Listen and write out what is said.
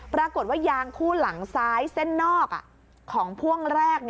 ปรากฏว่ายางคู่หลังซ้ายเส้นนอกของพ่วงแรก